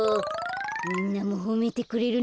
みんなもほめてくれるな。